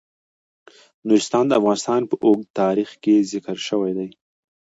نورستان د افغانستان په اوږده تاریخ کې ذکر شوی دی.